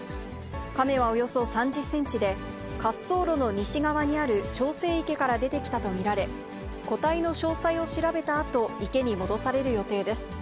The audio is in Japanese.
カメはおよそ３０センチで、滑走路の西側にある調整池から出てきたと見られ、個体の詳細を調べたあと、池に戻される予定です。